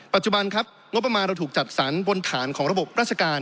ปัจจุบันครับงบประมาณเราถูกจัดสรรบนฐานของระบบราชการ